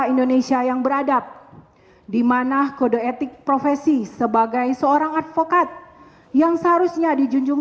indonesia yang beradab dimana kode etik profesi sebagai seorang advokat yang seharusnya dijunjung